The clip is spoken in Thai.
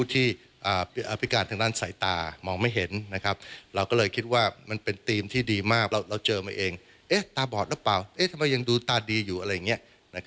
มีอะไรมีเป็นอะไรยังไม่เหลือเสีย